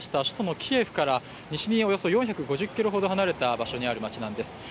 首都のキエフから西におよそ４５０ｋｍほど離れた場所にある街なんです。